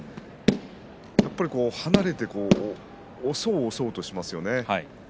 やっぱりこう、離れて押そう押そうとしますよね。